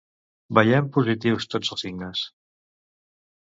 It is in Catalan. Veiem positius tots els signes.